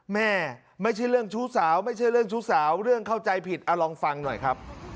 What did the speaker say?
แม่ไม่ใช่เรื่องชู้สาวไม่ใช่เรื่องชู้สาวเรื่องเข้าใจผิดเอาลองฟังหน่อยครับ